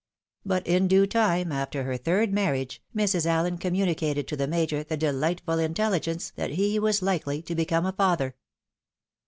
But in due time, after her third marriage, Mrs. AUen communicated to the Major the delightful intelligence that he was likely to become a father.